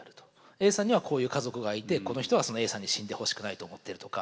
Ａさんにはこういう家族がいてこの人はそのＡさんに死んでほしくないと思っているとか。